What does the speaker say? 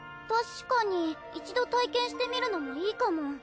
確かに一度体験してみるのもいいかも。